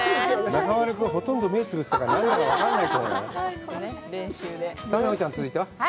中丸君、ほとんど目をつぶってたから、何か分からない。